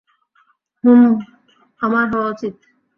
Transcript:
হুমম আমার হওয়া উচিত।